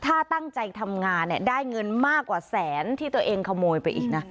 ถ้าตั้งใจทำงานเนี่ยได้เงินมากกว่าแสนที่ตัวเองขโมยไปอีกนะ